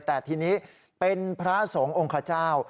แต่ทีนี้เป็นพระสงฆ์องค์ขเจ้า